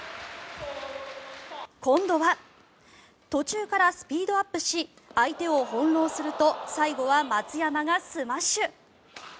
今度は途中からスピードアップし相手を翻ろうすると最後は松山がスマッシュ。